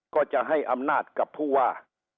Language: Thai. ก็จะให้อำนาจกับผู้ว่า